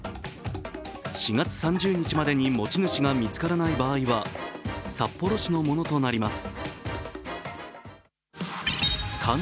４月３０日までに持ち主が見つからない場合は札幌市のものとなります。